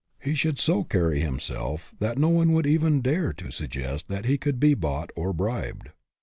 He should so carry him self that no one would even dare to suggest that he could be bought or bribed.